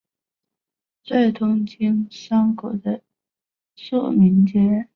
在东京山谷的宿民街。